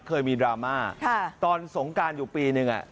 เคยมีดราม่าตอนสงการอยู่ปีนึง